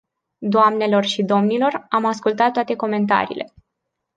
Doamnelor și domnilor, am ascultat toate comentariile.